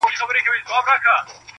په کوم مخ به د خالق مخ ته درېږم؟-